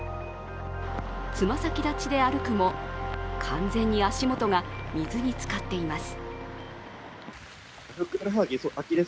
爪先立ちで歩くも、完全に足元が水につかっています。